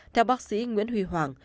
theo bác sĩ nguyễn huy hoàng